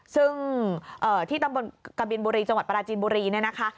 ซึ่งที่ตำบลกบินบุรีจังหวัดปราจีนบุรีเนี่ยนะคะ